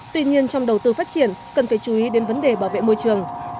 tuy nhiên trong đầu tư phát triển cần phải chú ý đến vấn đề bảo vệ môi trường